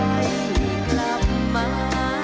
เสียงรัก